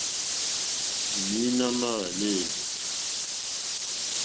Mǐīnā má hwàlêlì.